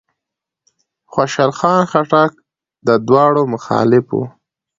خوشحال خان خټک د دواړو مخالف و.